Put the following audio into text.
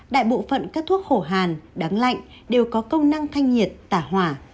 đại bộ phận các thuốc khổ hàn đắng lạnh đều có công năng thanh nhiệt tả hỏa